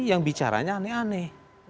yang bicaranya aneh aneh